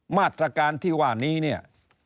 มาตรการที่ว่านี้เนี่ย